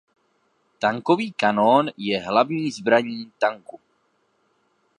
Tankový kanón je hlavní zbraní tanku.